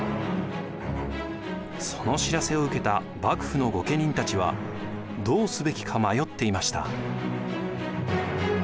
その知らせを受けた幕府の御家人たちはどうすべきか迷っていました。